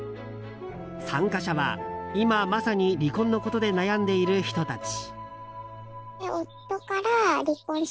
参加者は今まさに離婚のことで悩んでいる人たち。